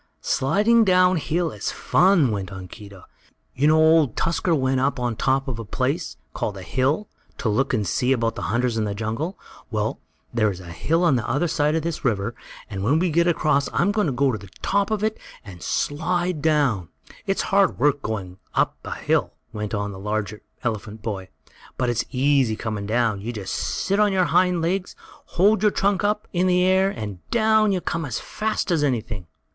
"Sliding down hill is fun," went on Keedah. "You know Old Tusker went up to the top of a place, called a hill, to look and see about the hunters in the jungle. Well, there is a hill on the other side of this river, and when we get across I'm going to the top of it and slide down. "It's hard work going up hill," went on the larger elephant boy, "but it's easy coming down. You just sit on your hind legs, hold your trunk up in the air and down you come as fast as anything!"